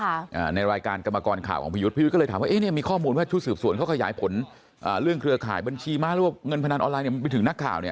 อ่าในรายการกรรมกรข่าวของพี่ยุทธ์พี่ยุทธ์ก็เลยถามว่าเอ๊ะเนี้ยมีข้อมูลว่าชุดสืบสวนเขาขยายผลอ่าเรื่องเครือข่ายบัญชีม้าหรือว่าเงินพนันออนไลเนี่ยไปถึงนักข่าวเนี่ย